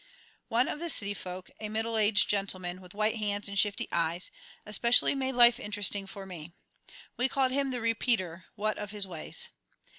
One of the city folk, a middle aged gentleman, with white hands and shifty eyes, especially made life interesting for me. We called him the "Repeater," what of his ways.